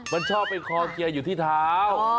มันชอบไปคอเกียร์อยู่ที่เท้า